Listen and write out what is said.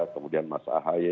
kemudian mas ahaye